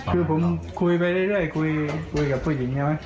คือผมคุยไปเรื่อยคุยกับผู้หญิงใช่ไหม